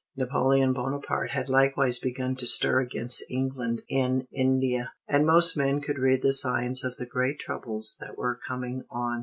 Napoleon Bonaparte had likewise begun to stir against England in India, and most men could read the signs of the great troubles that were coming on.